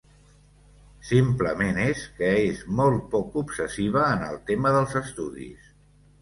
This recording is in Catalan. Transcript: Simplement és que és molt poc obsessiva en el tema dels estudis.